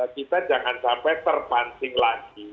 kita jangan sampai terpancing lagi